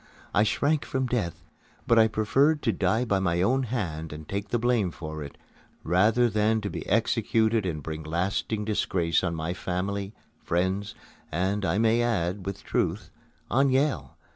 I shrank from death; but I preferred to die by my own hand and take the blame for it, rather than to be executed and bring lasting disgrace on my family, friends, and, I may add with truth, on Yale.